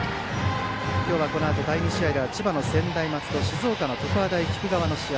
今日はこのあと第２試合が千葉の専大松戸静岡の常葉大菊川の試合